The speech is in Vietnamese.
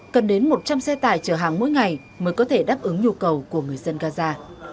cần đến một trăm linh xe tải chở hàng mỗi ngày mới có thể đáp ứng nhu cầu của người dân gaza